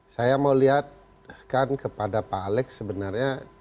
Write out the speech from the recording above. saya mau lihat kan kepada pak alex sebenarnya